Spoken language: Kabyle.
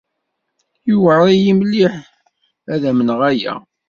Yuεer-iyi mliḥ ad amneɣ aya.